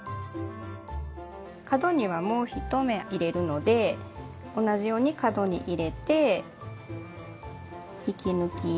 角にはもう１目入れるので同じように角に入れて引き抜き。